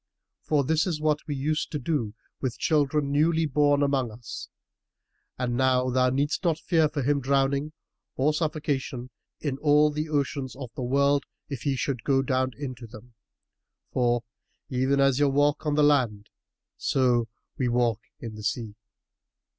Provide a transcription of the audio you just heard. for this is what we use to do with children newly born among us; and now thou needst not fear for him drowning or suffocation in all the oceans of the world, if he should go down into them; for, even as ye walk on the land, so walk we in the sea."